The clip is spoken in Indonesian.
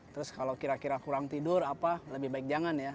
terus kalau kira kira kurang tidur apa lebih baik jangan ya